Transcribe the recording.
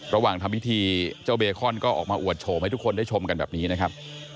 ระหว่างทำพิธีเจ้าเบคอนก็ออกมาอวดโฉมให้ทุกคนได้ชมกันแบบนี้นะครับ